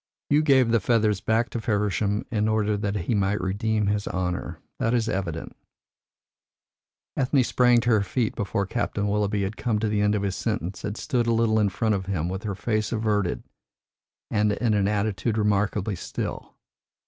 You gave the feathers back to Feversham in order that he might redeem his honour. That is evident." Ethne sprang to her feet before Captain Willoughby had come to the end of his sentence, and stood a little in front of him, with her face averted, and in an attitude remarkably still.